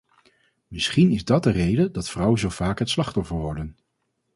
Misschien is dat de reden dat vrouwen zo vaak het slachtoffer worden.